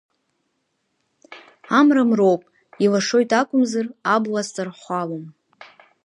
Амра мроуп, илашоит акәымзар, абла азҵархәалом.